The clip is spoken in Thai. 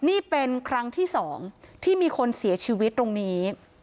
นี่เป็นครั้งที่๒ที่มีคนเสียชีวิตตรงนี้